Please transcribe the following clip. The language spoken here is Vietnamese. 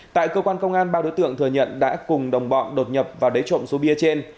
tại cơ quan công an bao đối tượng thừa nhận đã cùng đồng bọn đột nhập vào đế trộn số bia trên